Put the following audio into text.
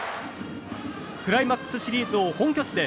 クライマックスシリーズを本拠地で。